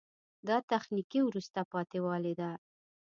دا تخنیکي وروسته پاتې والی ده.